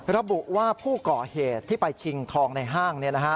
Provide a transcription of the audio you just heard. ระบุว่าผู้ก่อเหตุที่ไปชิงทองในห้างเนี่ยนะฮะ